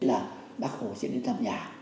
là bác hồ sẽ đến thăm nhà